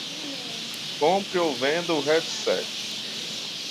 Compre ou venda o headset